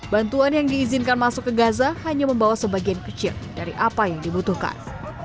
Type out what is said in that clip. bantuan yang diizinkan masuk ke gaza hanya membawa sebagian kecil dari apa yang dibutuhkan